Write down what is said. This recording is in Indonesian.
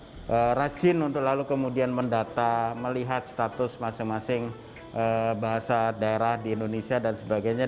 mereka rajin untuk lalu kemudian mendata melihat status masing masing bahasa daerah di indonesia dan sebagainya